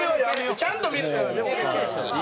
ちゃんと見ると。